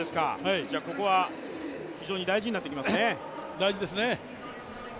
ここは非常に大事になってきますね。